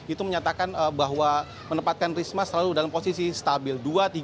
itu menyatakan bahwa menempatkan risma selalu dalam posisi stabil